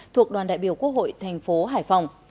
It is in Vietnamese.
thuộc đoàn đại biểu quốc hội thành phố hải phòng